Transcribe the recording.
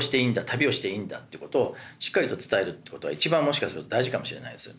「旅をしていいんだ」っていう事をしっかりと伝えるって事は一番もしかすると大事かもしれないです。